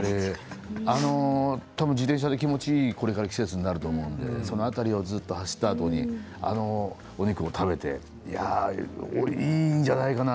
多分、自転車で気持ちのいいこれから季節になると思うのでその辺りをずっと走ったあとにあの、お肉を食べていいんじゃないかな。